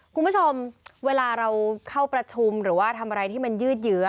คุณผู้ชมเวลาเราเข้าประชุมหรือว่าทำอะไรที่มันยืดเหยื้อ